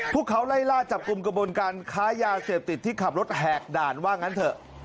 พวกเขาไล่ล่าจับกลุ่มกระบวนการค้ายาเสพติดที่ขับรถแหกด่านว่างั้นเถอะ